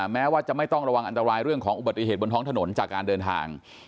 แม้ว่าจะไม่ต้องระวังอันตรายเรื่องของอุบัติเหตุบนท้องถนนจากการเดินทาง